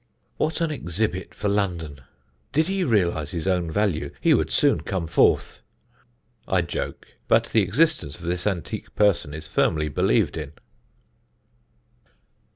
What an exhibit for London! Did he realise his own value, he would soon come forth. I joke, but the existence of this antique person is firmly believed in."